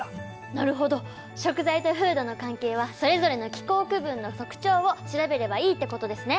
なるほど食材と風土の関係はそれぞれの気候区分の特徴を調べればいいってことですね。